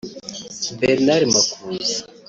Bernard Makuza